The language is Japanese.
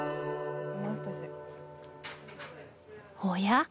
おや？